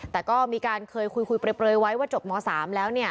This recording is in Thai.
แต่ก็มีการเคยคุยเปลยไว้ว่าจบม๓แล้วเนี่ย